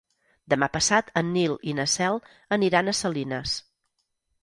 Demà passat en Nil i na Cel aniran a Salines.